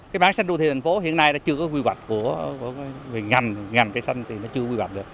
cái bán xanh đô thiền thành phố hiện nay đã chưa có quy hoạch của ngành cây xanh thì nó chưa quy hoạch được